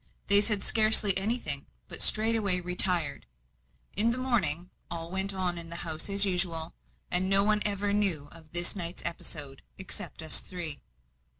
They said scarcely anything, but straightway retired. In the morning, all went on in the house as usual, and no one ever knew of this night's episode, except us three.